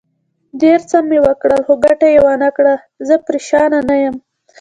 ډېر څه مې وکړل، خو ګټه یې ونه کړه، زه پرېشانه نه یم.